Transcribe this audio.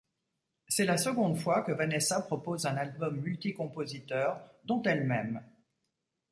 C'est la seconde fois que Vanessa propose un album multi-compositeurs, dont elle-même.